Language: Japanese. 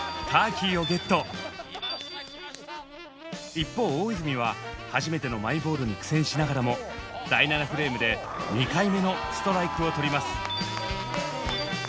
一方大泉は初めてのマイボールに苦戦しながらも第７フレームで２回目のストライクをとります。